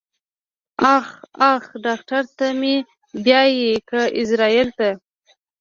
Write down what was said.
اخ اخ ډاکټر ته مې بيايې که ايزرايل ته.